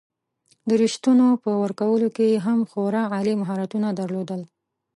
د رشوتونو په ورکولو کې یې هم خورا عالي مهارتونه درلودل.